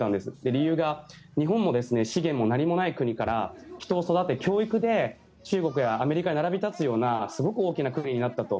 理由が日本も資源も何もない国から人を育て教育で中国やアメリカに並び立つようなすごく大きい国になったと。